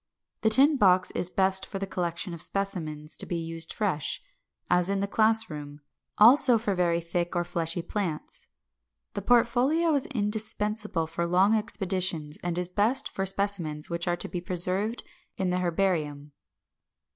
The tin box is best for the collection of specimens to be used fresh, as in the class room; also for very thick or fleshy plants. The portfolio is indispensable for long expeditions, and is best for specimens which are to be preserved in the herbarium.